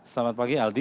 selamat pagi aldi